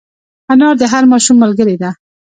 انا د هر ماشوم ملګرې ده